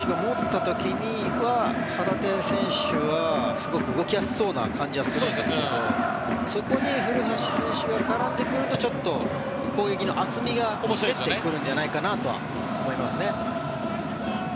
松井さん的に旗手がボールを受けた時の守田選手が持った時は旗手選手はすごく動きやすそうな感じはするんですけどそこに古橋選手が絡んでくるとちょっと、攻撃の厚みが出てくるんじゃないかなとは思いますね。